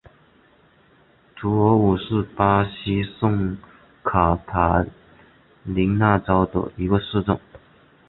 图尔武是巴西圣卡塔琳娜州的一个市镇。